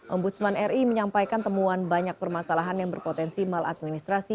ombudsman ri menyampaikan temuan banyak permasalahan yang berpotensi maladministrasi